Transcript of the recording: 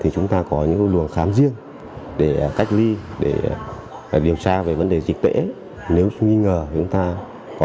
chúng ta có những luận khám riêng để cách ly điều tra về vấn đề dịch tễ